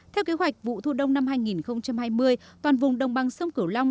theo kế hoạch vụ thu đông năm hai nghìn hai mươi toàn vùng đồng bằng sông cửu long